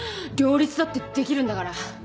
両立だってできるんだから！